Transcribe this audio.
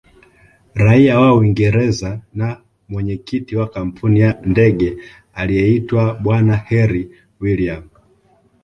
Raia wa Uingereza na Mwenyekiti wa kampuni ya ndege aliyeitwa bwana herri William